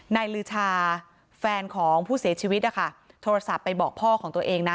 ลือชาแฟนของผู้เสียชีวิตนะคะโทรศัพท์ไปบอกพ่อของตัวเองนะ